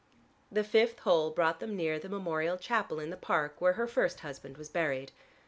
The fifth hole brought them near the memorial chapel in the Park, where her first husband was buried.